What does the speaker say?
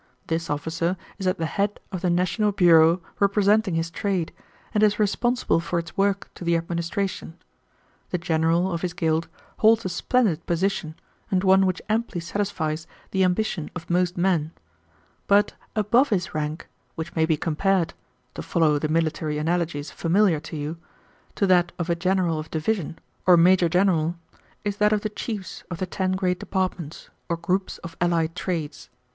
This officer is at the head of the national bureau representing his trade, and is responsible for its work to the administration. The general of his guild holds a splendid position, and one which amply satisfies the ambition of most men, but above his rank, which may be compared to follow the military analogies familiar to you to that of a general of division or major general, is that of the chiefs of the ten great departments, or groups of allied trades.